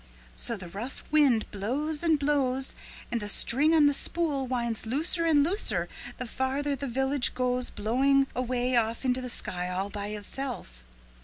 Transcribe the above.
So the rough wind blows and blows and the string on the spool winds looser and looser the farther the village goes blowing away off into the sky all by itself.